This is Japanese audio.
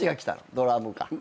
ドラムか。